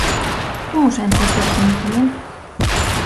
Como senta este recoñecemento?